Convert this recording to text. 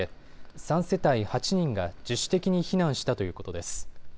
３世帯８人が自主的に避難したということです。